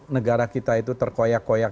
negara kita itu terkoyak koyak